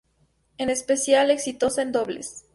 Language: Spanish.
Es especialmente exitosa en dobles.